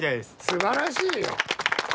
すばらしいよ！